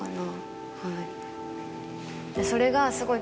それがすごい。